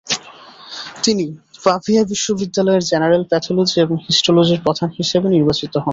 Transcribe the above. তিনি পাভিয়া বিশ্ববিদ্যালয়ের general pathology এবং হিস্টোলজির প্রধান হিসাবে নির্বাচিত হন।